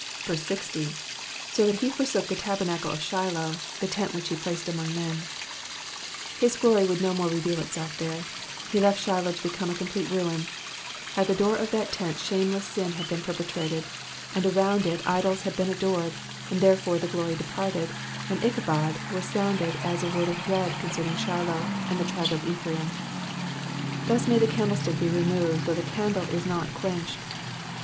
60. ^ that he forsook the tabernacle of Shiloh^ the tent which he placed among men,^^ His glory would no more reveal itself there, he left Shiloh to become a complete ruin. At the door of that tent shameless sin had been perpetrated, and all around it idols had been adored, and therefore the glory departed, and Ichabod was sounded as a word of dread concerning Shiloh and the tribe of Ephraim. Thus may the candlestick be removed though the candle is not quenched.